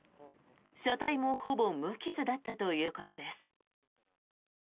車体もほぼ無傷だったということです。